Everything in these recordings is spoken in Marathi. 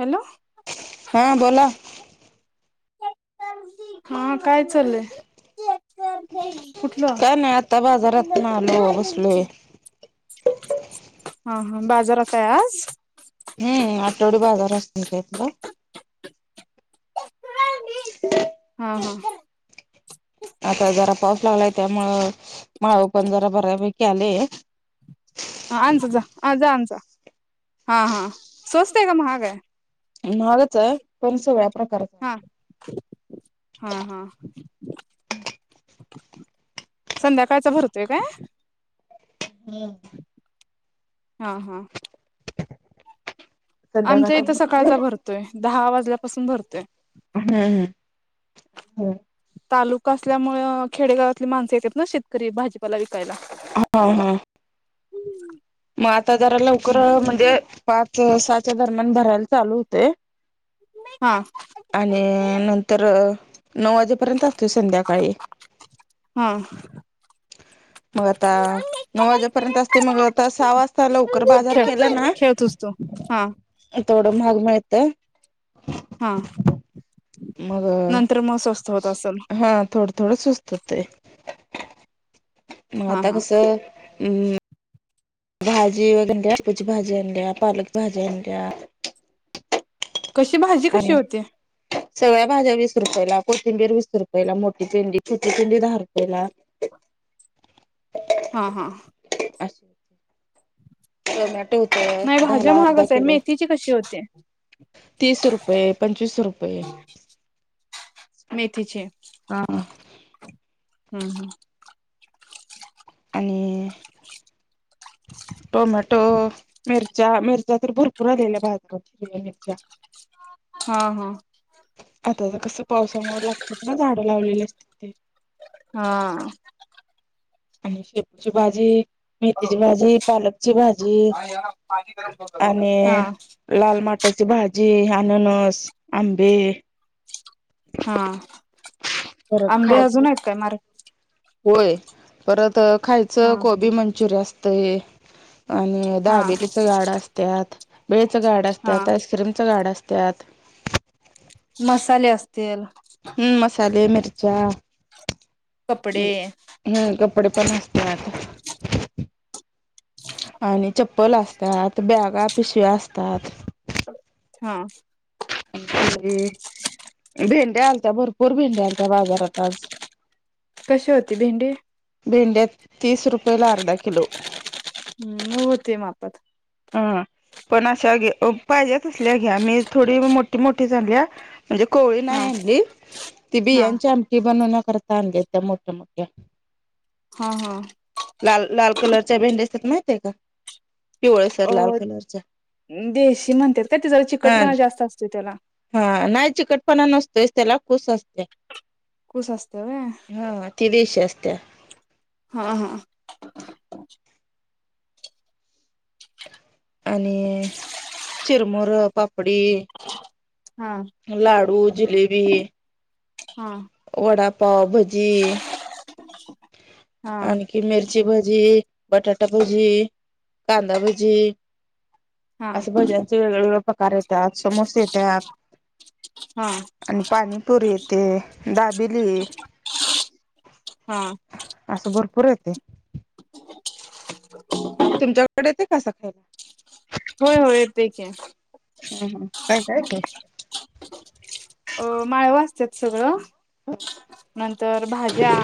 हॅलो. हा बोला हा काय चाललय? काय नाय आता बाजारातन आलो. बसलोय हा हा बाजारात आहे आज? हम्म आठवडी बाजार असत त्यातला [inaudible] ह हां आता जरा पाऊस लागलाय त्यामुळं माळ पण जरा बऱ्यापैकी आलेत. हा आणचा जा जा आण जा. हा हां स्वस्त आहे का महाग आहे? महागच आहे, पण सगळ्या प्रकारच. हा हा हा. संध्याकाळचा भरतोय काय? हम्म हा हा. आमच्या संध्याकाळच्या इथं सकाळचा भरतोय. दहा वाजल्यापासून भरतोय. हम्म हम्म, हो. तालुका असल्यामुळं खेडेगावातली मानसं येत्यात ना शेतकरी भाजीपाला विकायला. हा हा. हम्म. मग आता जरा लवकर म्हणजे पाच सहाच्या दरम्यान भरायला चालू होतय. हा. आणि नंतर नऊ वाजेपर्यंत ते संध्याकाळी हा. मग आता नऊ वाजेपर्यंत असते मग. आता सहा वाजता लवकर बाजार खेळ केला ना खेळतोस तू हा थोड महाग मिळतय. हा. मग नंतर मग स्वस्त होत असेल हा थोड. थोडं सुचत ते मग हा आता हा कस हम्म भाजी वैगरे दोडक्याची भाजी आणल्या, पालक भाजी आणल्या. कशी भाजी कशी आणि होती? सगळ्या भाज्या वीस रुपयला, कोथिंबीर वीस रुपयला मोठी पेंडी, छोटी पेंडी दहा रुपयला. हा हा. अशी टोमॅटो नाही होत भाज्या दहाला अर्धा महागच आहे किलो. मेथीची कशी होते तीस रुपये पंचवीस रुपये. मेथीची. हा हम [unintelligible] आणि टोमॅटो, मिरच्या, मिरच्या तर भरपूर आलेल्या बाजारात तिखट मिरच्या. हा हा. आता जरा कसं पावसामुळे लागतात ना झाडं लावलेली असतात ते. हा.. आणि शेपूची भाजी. मेथीची भाजी पालकची भाजी आणि हा लाल माटाची भाजी, अननस, आंबे, हा परत आंबे खायचं अजून आहेत काय मार होय परत खायचं हा कोबी मंचुरिया असत आणि हा दाबेलीचं गाड असतात भेळचं गाड हा असतात आईस्क्रीमचं गाड असतात. मसाले असतील हम मसाले, मिरच्या. कपडे. हम् कपडे पण असत्यात. आणि चप्पल असतात बॅगा पिशव्या असतात. हा. अ [unintelligible] [unintelligible] भेंड्या आलत्या भरपूर भेंडे्या आलत्या बाजारात आज. कशी होती भेंडी? भेंड्यात तीस रुपयेला अर्धा किलो. हम्म मग, होते मापात. हा. पण, अशा पाहिजे तसल्या घ्या. मी थोडी मोठी मोठी झाल्या. म्हणजे कोवळी नाही हा आणली. ती हा बियांची आमटी बनवण्याकरता आणली त्या मोठ्या मोठ्या. हा हा. लाल लाल कलरच्या भेंड्या असतात माहिती आहे का? पिवळसर लाल कलरच्या. देशी म्हणतात का तिला ते जरा तिला हा चिकटपणा जास्त असतो त्याला. हा. नाही चिकटपणा नसतोयच त्याला कुस असत्या. कुस असत्या व्हय. हा ती देशी असत्या. हा हा. आणि चिरमुर पापडी. हा. लाडू. जिलेबी हा. वडापाव भजी हा. कि मिरची भजी बटाटा भजी कांदा भजी हा असं भज्यांचे वेगळेवेेगळे प्रकार येतात समोसे येतात. हा आणि पाणीपुरी येतेे दाबिली [unintelligible] हा. असं भरपूर येतंय. [unintelligible] तुमच्याकडे येतं का असं काय? होय होय येतय की हम् हम् काय का काय [unintelligible] अ माळव असतात सगळं नंतर भाज्या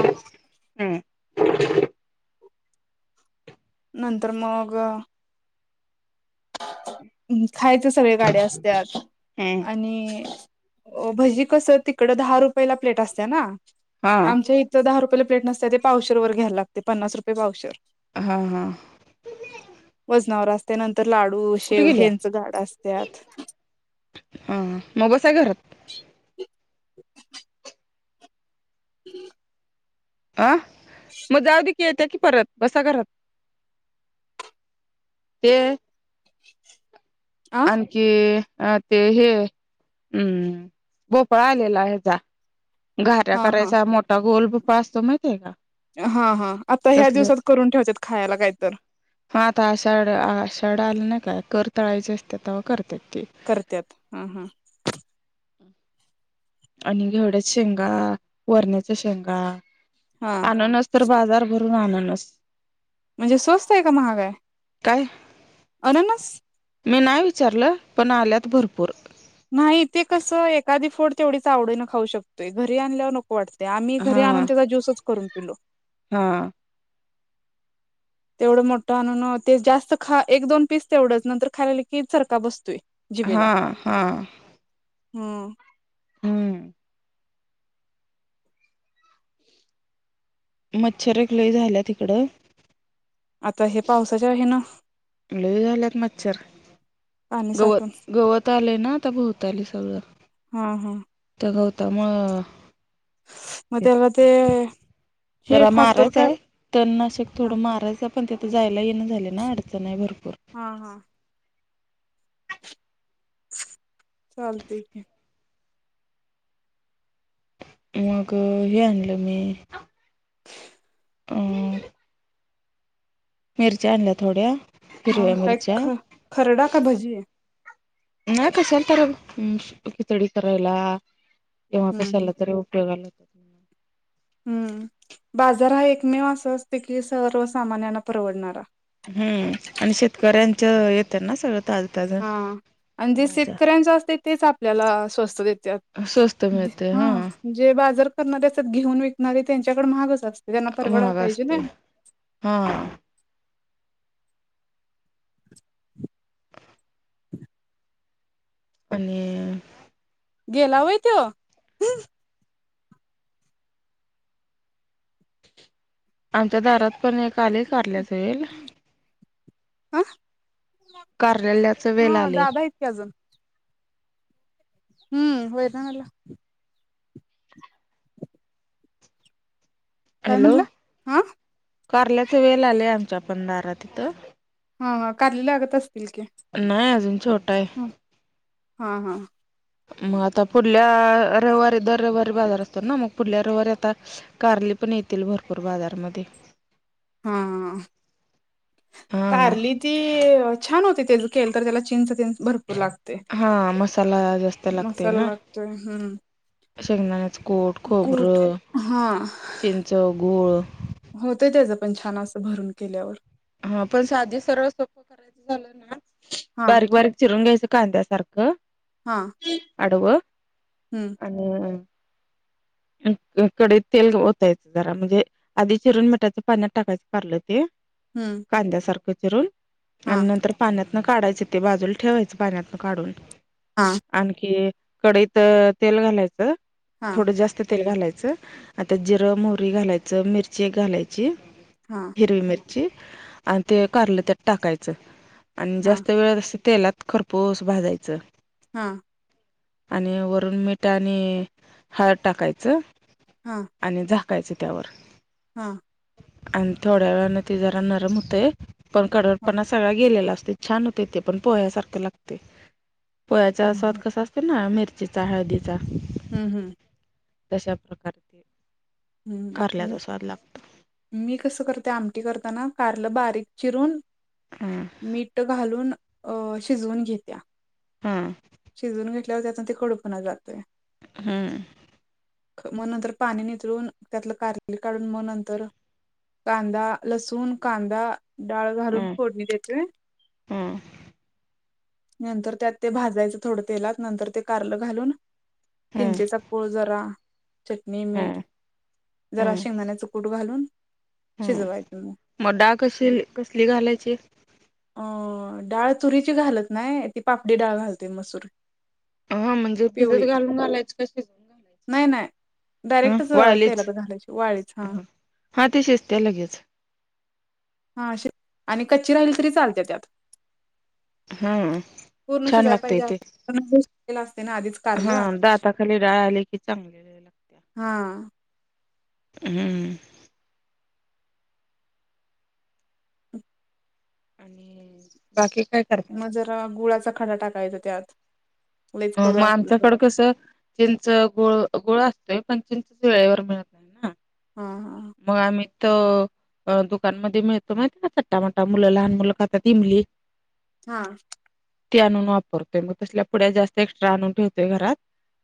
हम्म. [unintelligible] नंतर मग खायच सगळे गाड्या असत्यात हं. आणि अ भजी कस तिकड दहा रुपयेला प्लेट असते ना हा आमच्या इ च दहा रुपयेला प्लेट नसत ते पावशेरवर घ्यायला लागतेय पन्नास रुपये पावशेरं. हा हां. वजनावर असते नंतर लाडू कुठे शेव गेल्या? हेंच गाड असत्यात. हा मग बसा घरात. [inaudible] ह [inaudible] [unintelligible] अ मग जाऊ दे येता की परत बसा घरात ते आ आणखी अ ते हे हम्म भोपळा आलेला हेजा घाऱ्या हा हा करायचा मोठा गोल भोपळा असतो माहिती आहे का? हां हां आता ह्या तसले दिवसात करून ठेवतात खायाला कायतर. हा आता आषाढ आषाढ आला नाही काय कर तळायचे असते तवा करत्यात ते. करत्यात हम हम. आणि घेवढ्याच्या शेंगा वरण्याचा शेंगा हा. अणणस तर बाजार भरून अननस. म्हणजे स्वस्त आहे का महागाय? काय? अननस मी नाही विचारलं पण आल्यात भरपूर. नाही ते कसं एखादी फोड तेवढीच आवडीन खाऊ शकतेय घरी आणल्यावर न वाटत य आम्ही घरी हा आणून तेव्हा ज्यूसच करून पिलो. हा. तेवढं मोठं आणून मग ते जास्त खा एक दोन पीस तेवढंच नंतर खायलं की चरखा बसतोय. जिबेला हा- हा. हम्म. हम्म मच्छर एक लय झाल्यात हिकडं. आता हे पावसाच्या हे न. लय झाल्यात मच्छर पाणी गवत साठून गवत आलेय ना आता भोवताली सगळं. हा- हा. तो गौतम मग त्याला ते हे जरा फास्टर काट मारायचाय. तननाशक हा थोडं मारायचं पण तथं जायला येई ना झाले ना अडचण नाही भरपूर. हा-हा. [unintelligible] चालतय कि. मग हे आणलं मी [inaudible] [unintelligible] अं मिरच्या आणल्या थोड्या. हा, हिरव्या काय मिरच्या ख, खरडा का भजी. नाही कशाला करेल, हम्म खिचडी करायला. तेव्हा हम्म कशाला हम्म तरी उपयोगाला येतात हम्म, बाजार हा एकमेव असा असतो की, सर्व सामान्यांना परवडणारा. हम्म, आणि शेतकऱ्यांच येतं ना सगळं. ताजं ताजं हा, आणि जे भाज्या शेतकऱ्यांच असतंय. तेच आपल्याला स्वस्त देत्यात स्वस्त मिळते हा. जे बाजार करणारे, घेऊन विकणारे त्यांच्याकडे महागचं असते, त्यांना परवडाय महाग पाहिजे ना. असते हा. हा. [unintelligible] आणि गेला वई तो. आमच्या दारात पण एक आलंय कारल्याच वेल. हा, कारल्याचं वेल हा आले दादा आहेत कि अजून. हा [unintelligible] काय हॅलो म्हणला? हा कारल्याचे वेल आलेय आमच्या पण दारा तिथं. हा हा कारली लागत असतील की. नाय अजून छोटा आहे. हा हा हा. म आता पुढल्या रविवारी दर रविवारी बाजार असतो ना मग पुढल्या रविवारी आता कारली पण येतील, भरपूर बाजारमध्ये. हां हां हां कारली ती छान होते तेजा केल तर त्याला चिंच तिन भरपूर लागते. हा मसाला जास् मसाला लागतोय हम्म. शेंगदाण्याचा कोट, कूट खोबरं, हा चिंच, गूळ होतं त्याज पण छान असं भरून केल्यावर. हा पण सादे सर्व सोपं करायचं झालं ना हा बारीक-बारीक चिरून घ्यायचं कांद्या सार का हां. आडवं हम्म. हम्म अम अ कढाईत तेल ओतायचा जरा म्हणजे आधी चिरुन मिठाच्या पाण्यात टाकायचं कारलं ते. हम्म. कांद्यासारखं चिरून आणि नंतर पाण्यातनं काढायचं ते बाजूला ठेवायचं पाण्यातनं काढून. हां. आणखी कडईत तेल, घालायचं हां, थोडं जास्ती तेल घालायचं आता जिरं, मोरी घालायचं, मिरची एक घालायची. हां. हिरवी मिरची आणि ते कारलं त्यात टाकायचा आणि हां, जास्त वेळ असं तेलात खरपोस भाजायचं हां. आणि वरून मीठ आणि हळद टाकायचं. हां. आणि झाकायचं त्यावर. हां. आणि थोड्या वेळाने ते जरा नरम होते पण हां, हां. कडवटपणा सगळा गेलेला असते. छान होते ते पण पोह्यासारखे लागते पोह्याचा स्वाद कसा त्यांना मिरचीचा, हळदीचा हम्म हम्म. तशा प्रकार हम्म मी कसं करते आमटी करताना कारलं बारीक चिरून [unintelligible] मीट घालून अ शिजवून घेत्या. हम्म. शिजवून घेतल्यावर त्यातून ते कडूपणा जातय. हम्म. म नंतर पाणी नितळून त्यातलं कारली काढून म नंतर कांदा, लसूण, कांदा डाळ घालून फोडणी देतोय हमं. नंतर, त्यात ते भाजायचं थोडं तेलात नंतर, ते कारलं घालून हम्म चिंचेचा. पोळ जरा चटणी, मीठ हम्म जरा हम्म शेंगदाण्या च कूट घालून शिजवायचं हम्म डाळ मग. कशील कसली घालायची? अ डाळ तुरीची घालत नाही. ती पापडी डाळ घालते मसूर ची. अहं म्हणजे भिजत घालून घालायचं का? शिजत. नाय. नाय. डायरेक्टच वाळलीच तेलात घालायची वाळलेली हा. हा ते शिजतेया लगेच. हा. अ शि आणि कच्ची राहिली, तरी चालत्या त्यात. हा पूर्ण छान शिजाय लागतय पाहिजे ते असते. ना [unintelligible] शिजलेलं असतय आधीच. हा. कारलं दाताखाली डाळ आली की चांगलं. हा. हम्म. आणि बाकी काय कर जरा, गुळाचा खडा टाकायचा त्यात. लईच कडू म असलं तर आमच्याकड कसं आहे चिंच गुळ गुळा असतोय पण चिंच वेळेवर मिळत. नाही ना हां. हां. मग, आम्ही त अ दुकान मध्ये मिळतो, माहिती का? चट्टा मट्टा मुलं, लहान मुलं खातात इमली. हा.. ते आणून वापरतोय. मग, तसल्या पुढ्या जास्त एक्स्ट्रा आणून ठेवतोय. घरात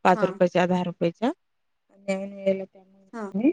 पाच हा रुपया. चहा दहा रुपयेचा हा [unintelligible] हंम.